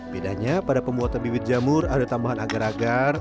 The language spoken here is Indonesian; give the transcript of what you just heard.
bedanya pada pembuatan bibit jamur ada tambahan agar agar